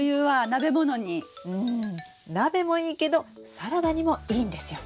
うん鍋もいいけどサラダにもいいんですよ。